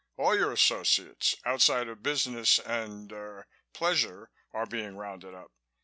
All your associates, outside of business and er pleasure, are being rounded up.